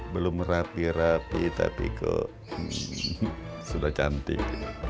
belum rapi rapi tapi kok sudah cantik